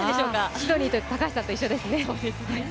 シドニーは高橋さんと一緒ですね。